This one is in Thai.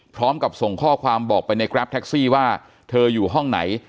พร้อมกับส่งข้อความบอกไปในกราฟแท็กซี่ว่าเธออยู่ห้องไหน